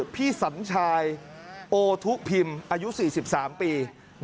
พี่สัญชายโอทุพิมพ์อายุ๔๓ปี